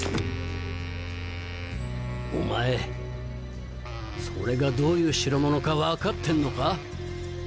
お前それがどういう代物か分かってんのか？